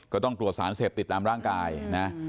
ก็ต้องตรวจสารเสพติดตามร่างกายนะ